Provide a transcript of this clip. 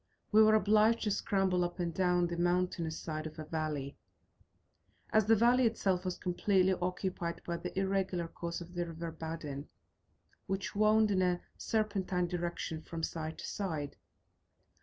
We were obliged to scramble up and down the mountainous side of a valley, as the valley itself was completely occupied by the irregular course of the river Badin, which wound in a serpentine direction from side to side.